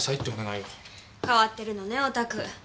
変わってるのねおたく。